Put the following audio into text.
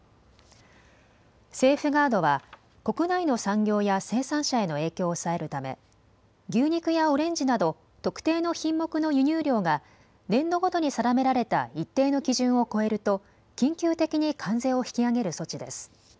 セーフガードは国内の産業や生産者への影響を抑えるため牛肉やオレンジなど特定の品目の輸入量が年度ごとに定められた一定の基準を超えると緊急的に関税を引き上げる措置です。